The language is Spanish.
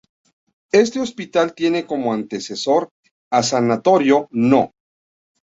Este Hospital tiene como antecesor el Sanatorio No.